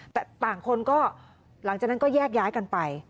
แต่ต่างคนก็หลังจากนั้นก็แยกย้ายกันไป